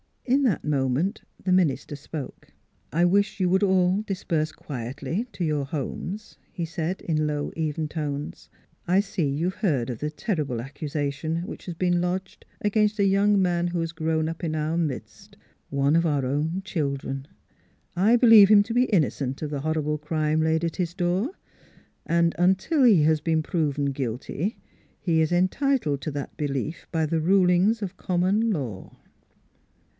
In that moment the minister spoke: " I wish you would all disperse quietly to your homes," he said in low, even tones. " I see you have heard of the terrible accusation which has been lodged against a young man who has grown up in our midst one of our own children. I believe him to be innocent of the horrible crime laid at his door, and until he has been proven guilty he is entitled to that belief by the rulings of common law."